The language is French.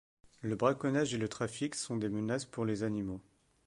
Le braconnage et le trafic sont des menaces pour les animaux